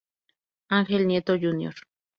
Ángel Nieto Jr.